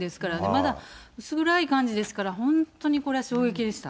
まだ薄暗い感じですから、本当にこれ、衝撃でした。